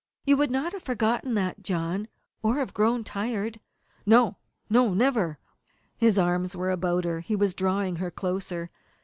You would not have forgotten that, John or have grown tired?" "No, no never!" His arms were about her. He was drawing her closer.